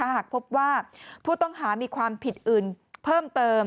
หากพบว่าผู้ต้องหามีความผิดอื่นเพิ่มเติม